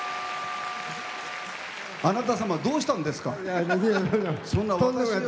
あなた様どうしたんですか？